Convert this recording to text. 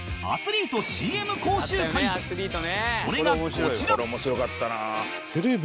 それがこちら